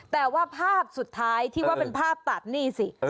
แต่ว่าภาพสุดท้ายที่ว่าเป็นภาพตัดนี่สิ